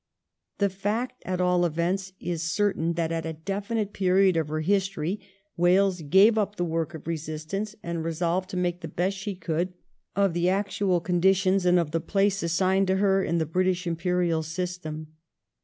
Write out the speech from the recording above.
The fact at all events is cer tain that at a definite period of her history Wales gave up the work of resistance and resolved to make the best she could of the actual conditions and 1702 14 INTELLilOtUAL ACTIVITY. 323 of the place assigned to her in the British imperial system.